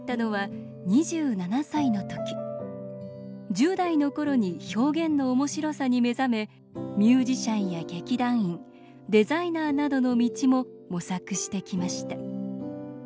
１０代のころに表現のおもしろさに目覚めミュージシャンや劇団員デザイナーなどの道も模索してきました。